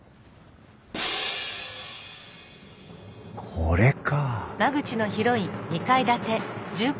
これか！